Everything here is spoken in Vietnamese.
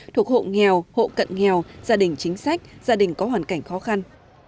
thuộc hộ nghèo hộ cận nghèo gia đình chính sách gia đình có hoàn cảnh khó khăn